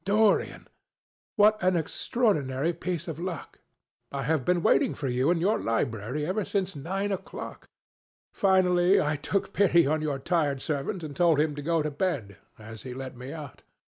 "Dorian! What an extraordinary piece of luck! I have been waiting for you in your library ever since nine o'clock. Finally I took pity on your tired servant and told him to go to bed, as he let me out.